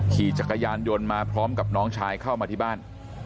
ขี่จักรยานยนต์มาพร้อมกับน้องชายเข้ามาที่บ้าน